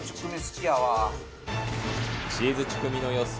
チーズチュクミの予想